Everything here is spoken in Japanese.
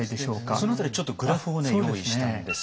その辺りちょっとグラフを用意したんですけれども。